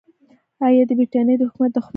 او د برټانیې د حکومت دښمن دی.